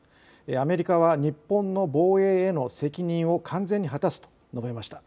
アメリカは日本の防衛への責任を完全に果たすと述べました。